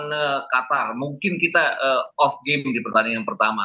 mungkin pertandingan melawan qatar mungkin kita off game di pertandingan pertama